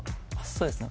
そうですね